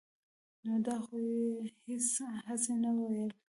نو دا خو يې هسې نه وييل -